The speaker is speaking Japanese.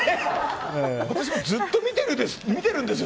私もずっと見てるんですよ。